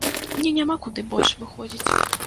Мне няма куды больш выходзіць.